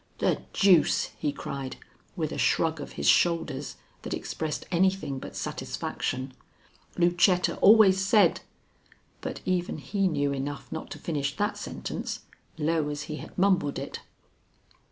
"The deuce!" he cried, with a shrug of his shoulders that expressed anything but satisfaction. "Lucetta always said " But even he knew enough not to finish that sentence, low as he had mumbled it.